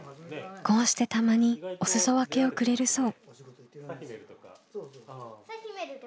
こうしてたまにおすそ分けをくれるそう。